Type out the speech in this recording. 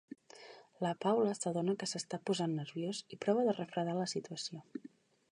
La Paula s'adona que s'està posant nerviós i prova de refredar la situació.